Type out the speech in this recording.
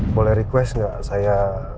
boleh request gak saya